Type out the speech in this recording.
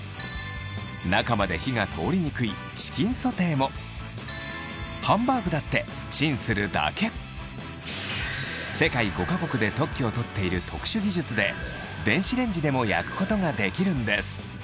中まで火が通りにくいハンバーグだってチンするだけを取っている特殊技術で電子レンジでも焼くことができるんです